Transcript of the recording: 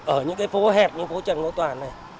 ở những cái phố hẹp những phố trần ngỗ toàn này